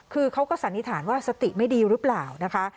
คือเขาก็สันนิษฐานว่าสติไม่ดีหรือเปล่านะคะ